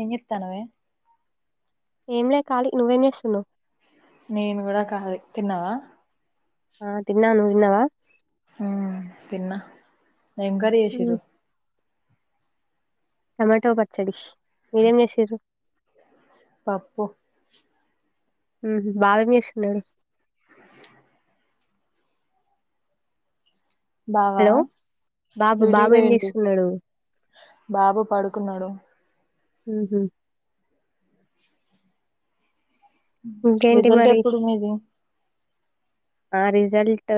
ఎం చెత్తన్నవే ఏం లే కాలీ నువ్వేం చేస్తునువ్ నేను కూడా కాలి తిన్నావా ఆ తిన్నా నువ్ తిన్నావా ఆ తి న్న ఏం కర్రీ ఉమ్, చేసిరు టమాటో పచ్చడి మీరేం చేసిరు పప్పు హు బాగా నేరిసినవ్వులే బావా హలో బాబు డ్యూటీ కి బాబు ఏం పోయిండు చేస్తున్నాడు బాబు పడుకున్నాడు ఉహు ఇంకేంటి రిజల్ట్ మరి ఎప్పుడు మీది ఆ రిజల్ట్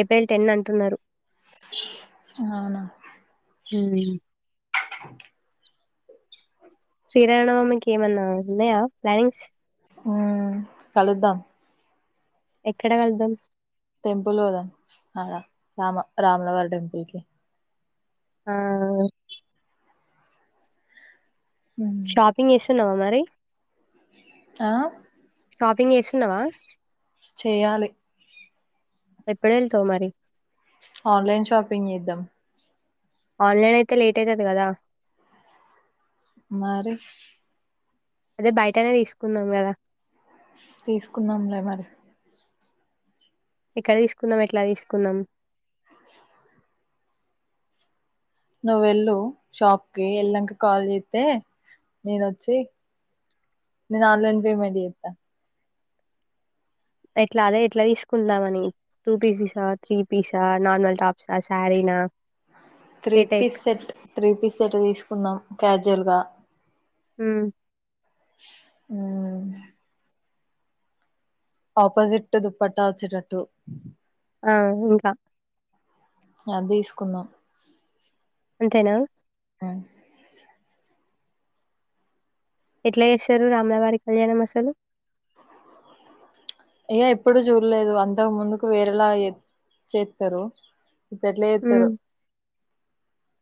ఏప్రిల్ టెన్ అంటున్నారు అవునా హ శ్రీరామనవమికి ఏమన్నా ఉన్నాయా ప్లానింగ్స్ హు కలుద్దాం ఎక్కడ కలుద్దాం టెంపుల్ పోదాం అడ రామ రాములవారి టెంపుల్ కి ఆహ ఉమ్. షాపింగ్ చేస్తున్నావా మరి ఆ షాపింగ్ చేస్తున్నావా చేయాలి ఎప్పుడ వెళ్తవు మరి ఆన్లైన్ షాపింగ్ చేద్దాం ఆన్లైన్ అయితే లేట్ అయితది కదా మరి అదే బయటనే తీసుకుందాం కదా తీసుకుందాంలే మరి ఎక్కడ తీసుకుందాం ఎట్లా తీసుకుందాం అ నువ్వ వెళ్ళు షాప్ కి వెళ్ళినంక కాల్ చేతే నేను వచ్చి నేను ఆన్లైన్ పేమెంట్ చేస్తా ఎట్లా అదే ఎట్లా తీసుకుందాం అని టూ పిసేసా త్రీ పీసా నార్మల్ టాప్స్ ఆ సారి ఆ three piece set three piece set తీసుకుందాం క్యాజువలెటల్ గా హు హు ఆపోజిట్ దుప్పట్టా వచ్చేటట్టు ఆ ఇంకా అది తీసుకుందాం అంతేనా హు ఎట్లా చేస్తారు రామలవారి కళ్యాణం అసలు ఇగ ఎప్పుడు చూడలేదు అంతకు ముందుకు వేరేలా చే చేస్తారు ఇప్పుడు ఎట్ల ఉమ్ చేస్తారో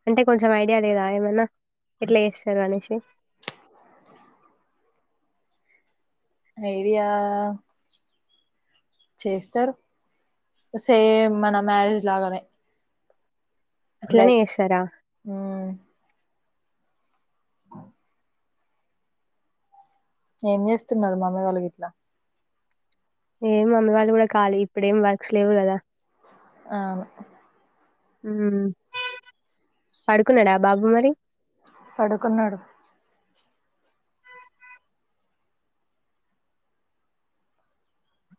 అంటే కొంచెం ఐడియా లేదా ఏమన్నా ఎట్లా చేస్తారు అనేసి ఐడియా చేస్తారు సేమ్ మన మ్యారేజ్ లాగానే అట్లనే [unintelligible] చేస్తారా హు ఏం చేస్తున్నారు మమ్మీ వాళ్లు గిట్ల ఏం మమ్మీ వాళ్ళు కూడా కాలి ఇప్పుడేం వర్క్స్ వర లేవు కదా అవును హు పడుకున్నాడా బాబు మరి పడుకున్నాడు.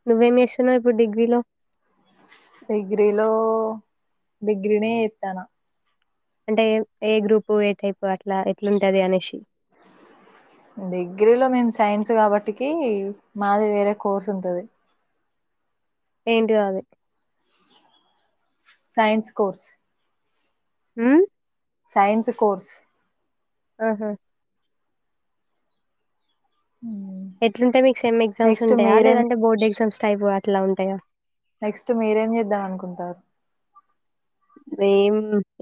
నువ్వేం ఏస్తున్నావు ఇప్పుడు డిగ్రీలో.? డిగ్రీలో, డిగ్రీనే ఏత్తన. అంటే ఏ గ్రూపు, ఏ టైప్, అట్లా ఎట్లుంటది అనేషి. డిగ్రీలో మేమ్ సైన్స్ గాబట్టికి, మాది వేరే కోర్స్ ఉంటది. ఏంటిదది.? Science course. ఊమ్మ్మ్. Science course. ఆహా. ! ఎట్లుంటే మీకు సెమ్ ఎగ్జామ్స్ నెక్స్ట్ ఉంటాయా.,? మీరేం లేదంటే బోర్డ్ ఎగ్జామ్స్ టైపుగా అట్లా ఉంటాయా.? నెక్స్ట్ మీరేం జేద్దామనుకుంటారు.? మేమ్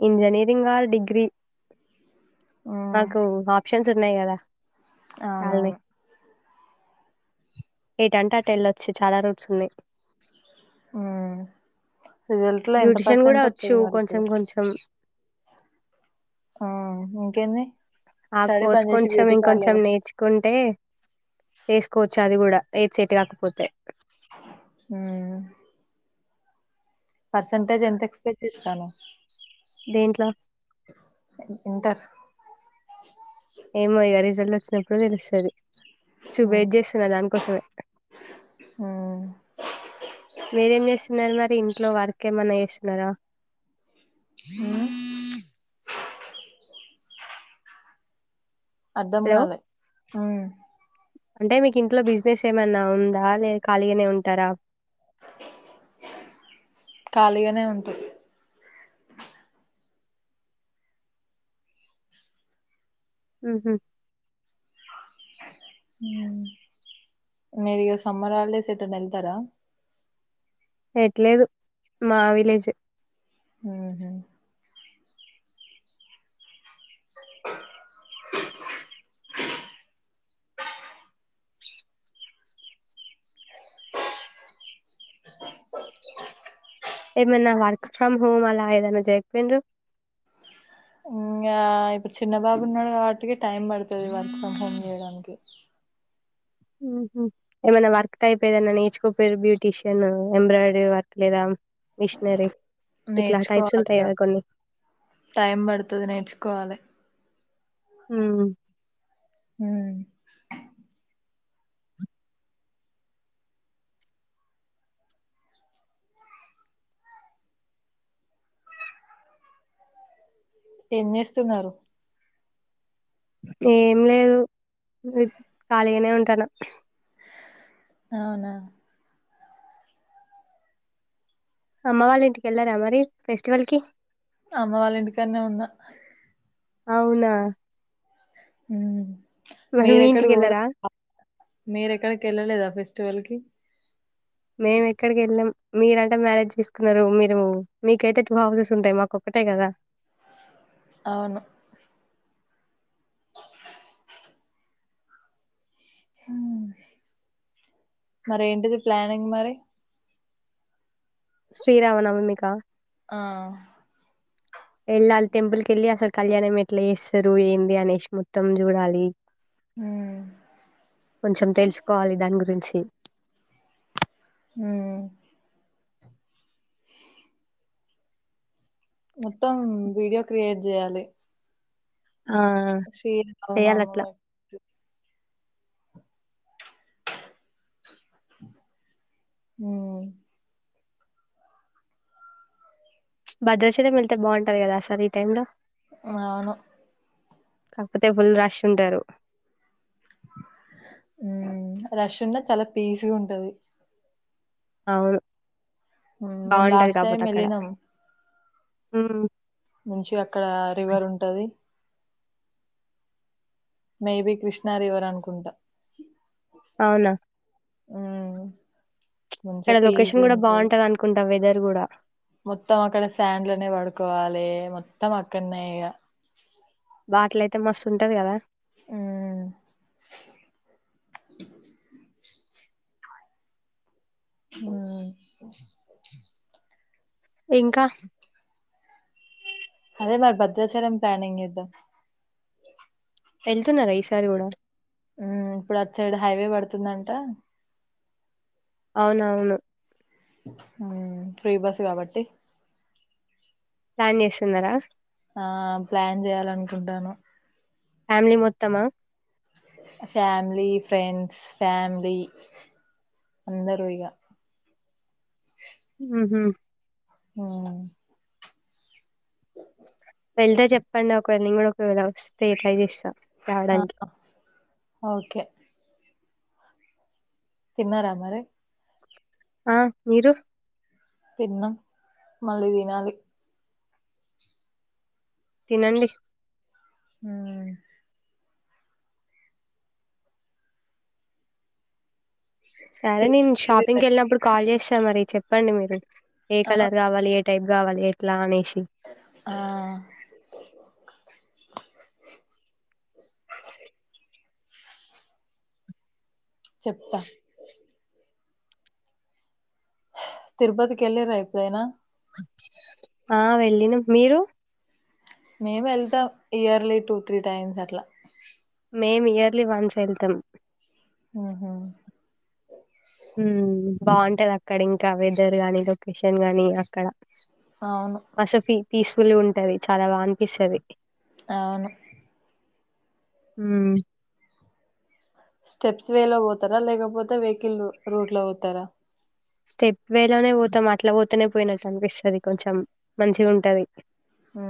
ఇంజనీరింగార్, డిగ్రీ. మ్మ్ మాకు ఆప్షన్సున్నాయి గదా. ! అవునవును. ఎటంటె అటెళ్ళొచ్చు చాలా రూట్సూన్నయి. ఊహ్మ్. రిజల్ట్ లో ఎంత బ్యూటిషియన్ కూడా పర్సెంట్ వచ్చు ఒత్తది మరిప్పుడ.? కొంచెం కొంచెం ఆ ఇంకెంది.? ఆ కోర్స్ కొంచెం, ఇంకొంచెం నేర్చుకుంటే చేసుకోవచ్చా. అది గూడా, ఏద్ సెట్టు గాకపోతే. ఊమ్మ్మ్. పర్సెంటేజెంతెక్స్పెక్ట్ జేత్తనవ్.? దేంట్లో ఇంటర్. ఏమో ఇగా రిజల్టొచ్చినప్పుడు దెలుస్తది. చ్చు, మ్మ్ వెయిట్ జేస్సున్నా దానికోసమే. మ్మ్ మీరేం జేస్తున్నారు మరి ఇంట్లో వార్కెమన్నా ఏస్తున్నారా.? ఊ. హలో అర్ధంగాలే హ్మ్. అంటే మీకింట్లో బిజినెస్ ఏమైనా ఉందా.? ! లే ఖాళీగానే ఉంటారా.? ! ఖాళీగానే ఉంటా. ఊహు. ఊమ్మ్. మీరిగా సమ్మర్ హాలిడేస్ ఎటనెళ్తారా.? ! ఎట్లేదు., మా విలేజె. ఊహు. ఏమన్నా వర్క్ ఫ్రమ్ హోమ్ అలా ఏదన్నా జయక్పోయిండ్రు.? ఇంగా ఇప్పుడు చిన్న బాబున్నాడు గాబట్టికి టైం బడుతది వర్క్ ఫ్రం హోమ్ జేయడాన్కి. ఊహు. ఏమన్నా వర్క్ టైపు ఏదన్నా నేర్చుకోపోయిరు బ్యూటీషన్, ఎంబ్రాయిడరీ వర్క్, లేదా. మిషనరీ, ఇట్లా టైప్స్ నేర్చుకోవాలి ఇగ ఉంటాయిగా కొన్ని. టైం బడుతది నేర్చుకోవాలె. ఊహ్మ్. ఊ. ఏం జేస్తున్నారు.? ఏం లేదు, ఖాళీగానే ఉంటానా. అవునా. ! అమ్మ వాళ్ళింటికెళ్లారా మరి ఫెస్టివల్ కి.? ! అమ్మ వాళ్ళింటికన్నే ఉన్నా. అవునా. ! ఊహ్మ్. మీ ఇంటికి మీరెక్కడికి వెళ్ళారా [inaudible] మీరెక్కడికెళ్ళలేదా ఫెస్. టివల్కీ. మేము ఎక్కడికి వెళ్ళాం. మీరంటే మ్యారేజ్ చేసుకున్నారు మీరు మీకైతే టూ హౌసెస్ ఉంటాయి మాకొక అంతే కదా అవును మరి ఏంటిది ప్లానింగ్ మరి? శ్రీరామ నవమిక ఆ ఏళ్ళాలి టెంపుల్ క వెళ్ళి అసలు కళ్యాణం ఎట్లా చేస్తారు ఏంది అనేసి మొత్తం చూడాలి. ఉమ్ కొంచెం తెలుసుకోవాలి దాని గురించి అ మొత్తం వీడియో క్రియేట్ చేయాలి. ఆ చేయాలట్లాల శ్రీరామనవమి ఉ భద్రాచలం వెళ్తే బావుంటది కదా సార్ ఈ టై లో అవును కాకపోతే ఫుల్ రష్ ఉంటారు. ఉ రష్ ఉన్న చాలా పీస్గా ఉంటది. అవును హ్మ్ మేము బావుంటది లాస్ట్ టైం కాపోతే అక్కడ ఎళ్ళినాం. ఉ మంచి అక్కడ రివర్ ఉంటది. మేబి కృష్ణ రివర్ అనుకుంటా అవునా ఊ ఇక్కడ లొకేషన్ కూడా బావుంటది అనుకుంటాం. వెదర్ కూడా మొత్తం అక్కడ శాండ్లనే పడుకోవాలి మొత్తం అక్కడనే ఇగ. వాటిల అయితే మస్తు ఉంటుది కదా. అ ఊ ఇంకా అదే మరి భద్రాచాలం ప్లానింగ్ ఏద్దాం. వెళ్తున్నారా ఈసారి కూడా ఆ ఇప్పుడు అటు సైడ్ హైవే పడుతుందంట. అవునవును ఆ ఫ్రీ బస్ కాబట్టి ప్లాన్ చేస్తున్నారా? ఆ ప్లాన్ చేయాలనుకుంటాను. ఫ్యామిలీ మొత్తమా ఫ్యామిలీ ఫ్రెండ్స్ ఫ్యామిలీ అందరూ ఇగా హుహు. హుమ్మ్ వెళ్తే చెప్పండి ఒకవేళ నేను కూడా ఒకవేళ వస్తే ట్రై చేస్తా. ఆ ఓకే తిన్నారా మరి ఆ మీరు? తిన్నాం మళ్ళీ తినాలి. తినండి హ్మ్ సరే నేను తిరుపతికి వెళ్ళిరా షాపింగ్కి వెళ్ళినప్పుడు కాల్ చేస్తా మరి చెప్పండి మీరు ఏ ఆ కలర్ రావాలి ఏ టైప్ కావాలి ఎట్లా అనేసి ఆ [inaudible] చెప్తా హ తిరుపతికిళ్ళరా ఎప్పుడైనా ఆ వెళ్ళినం మీరు మేము వెళ్తాం ఇయర్లీ టూ త్రీ టైమ్స్ అట్లా మేమ్ ఇయర్లీ వన్స్ వెళ్తాం ఉహు బాగుంటది అక్కడ ఇంకా వెదర్ గాని లొకేషన్ గాని అక్కడ అవును మస పీ పీసఫుల్ గా ఉంటది చాలా బాగా అనిపిస్తుది అవును హుమ్మ్ స్టెప్స్ వేలో ఓ తారా లేకపోతే వెహికల్ రూ రూట్ లో ఓతారా స్టెప్ వే లోనే పోతాం అట్లా పోతనే పోయినట్టు అనిపిస్తది కొంచెం మంచిగా ఉంటది ఆ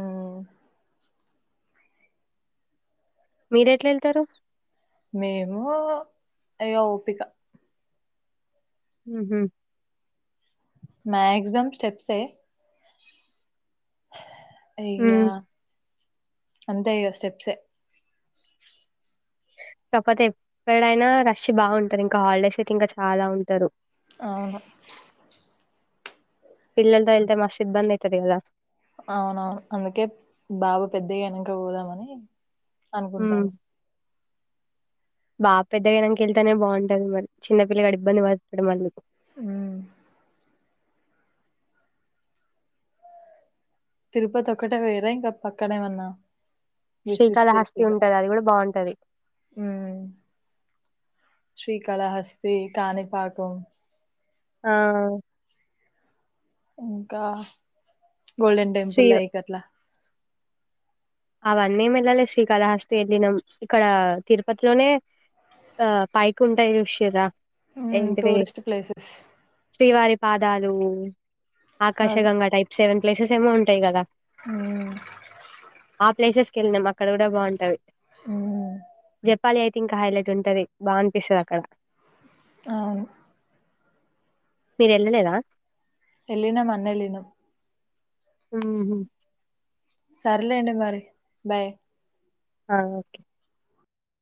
మీరెట్లా వెళ్తారు మేము అయ్యో ఓపిక ఉహు మాక్సిమమ్ స్టెప్స్ ఏ ఇగ అంతే ఇగ స్టెప్సే కాకపోతే ఎప్పుడైనా రష్ బాగుంటాది ఇంకా హాలిడేస్ అయితే ఇంకా చాలా ఉంటారు అవును పిల్లల్తో వెళ్తే మస్త్ ఇబంది అయితది గాదా అవునవును అందుకే బాబు పెద్ద అయినాక పోదామని అనుకుంటానం [inaudible] బాబు పెద్దగైనాన్ క వెళ్తానే బాగుంటది మరీ చిన్నపిల్లగాడు ఇబ్బంది పతాడు మళ్ళీ హుమ్మ్ తిరుపతి ఒక్కటే పాయింరా ఇంకా పక్కనేమన్నా శ్రీకాళహస్తి ఉంటది అది కూడా బాగుంటది హ్మ్ శ్రీకాళహస్తి కాణిపాకం ఆ ఇంకా గోల్డెన్ శ్రీ టెంపుల్ లైక్ అట్లా అవన్నీ వెళ్ళాలే శ్రీకాళాహస్తి వెళ్ళినాం ఇక్కడ తిరుపతిలోనే ఆ పైకుంటాయ్ చూశిరా ఉమ్ ఏంటి ది టూరిస్ట్ ప్లేసెస్ శ్రీవారి పా పాదాలు కాదు ఆకాశగంగా టైప్ సెవెన్ ప్లేసెస్ ఏమో ఉంటాయి కదా ఉమ్ ఆ ప్లేసెస్ కెల్నాం అక్కడ కూడా బాగుంటాది ఉమ్ పాళి అయితే ఇంకా హైలైట్ ఉంటది బా అనిపిస్తది అక్కడ అవును మీరు వెళ్ళలేదా ఎల్లి నామ్ అన్నీ ఎల్లినాం ఉమ్ హు సర్లేండి మరి బాయ్ ఆ ఓకే